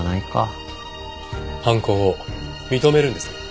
犯行を認めるんですね？